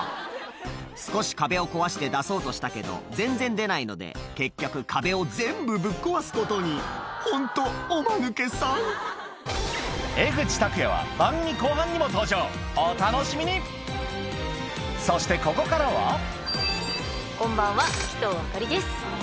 少し壁を壊して出そうとしたけど全然出ないので結局壁を全部ぶっ壊すことにホントおマヌケさんお楽しみにそしてここからはこんばんは鬼頭明里です。